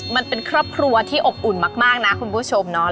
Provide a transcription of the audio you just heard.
มันเป็นครอบครัวที่อบอุ่นมากนะคุณผู้ชมเนาะ